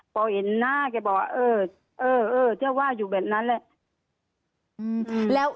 พอเห็นหน้าแกบอกว่าเออเจ้าว่าอยู่แบบนั้นแหละ